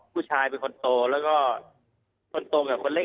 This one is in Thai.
ผู้ชายเป็นคนโตแล้วก็คนตรงกับคนเล็ก